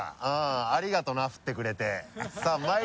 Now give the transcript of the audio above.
ありがとうな振ってくれて！